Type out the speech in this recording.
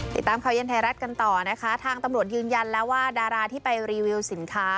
ติดตามข่าวเย็นไทยรัฐกันต่อนะคะทางตำรวจยืนยันแล้วว่าดาราที่ไปรีวิวสินค้า